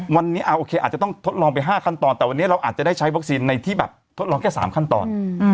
วันนี้โอเคอาจจะต้องทดลองไป๕ขั้นตอนแต่วันนี้เราอาจจะได้ใช้วัคซีนในที่แบบทดลองแค่๓ขั้นตอน